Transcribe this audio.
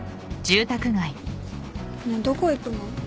ねえどこ行くの？